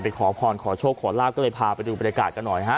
ขอพรขอโชคขอลาบก็เลยพาไปดูบรรยากาศกันหน่อยฮะ